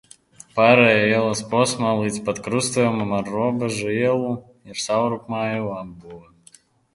Pārējā ielas posmā līdz pat krustojumam ar Robežu ielu ir savrupmāju apbūve.